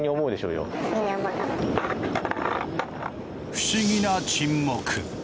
不思議な沈黙。